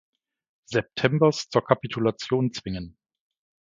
Septembers zur Kapitulation zwingen.